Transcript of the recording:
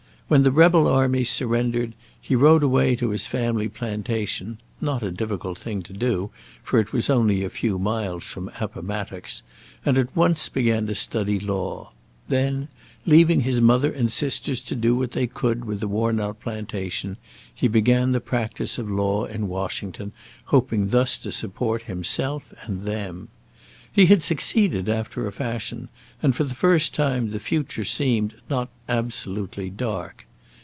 When the rebel armies surrendered, he rode away to his family plantation not a difficult thing to do, for it was only a few miles from Appomatox and at once began to study law; then, leaving his mother and sisters to do what they could with the worn out plantation, he began the practice of law in Washington, hoping thus to support himself and them. He had succeeded after a fashion, and for the first time the future seemed not absolutely dark.